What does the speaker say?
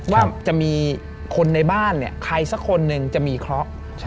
ว่าจะมีคนในบ้านเนี่ยใครสักคนหนึ่งจะมีเคราะห์